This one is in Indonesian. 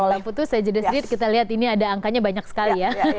oke mbak putu saya jadah sedih kita lihat ini ada angkanya banyak sekali ya